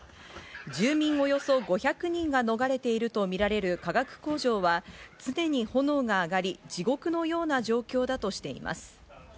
住民およそ５００人が逃れているとみられる化学工場は常に炎が上がり、地獄のような状況だとしています。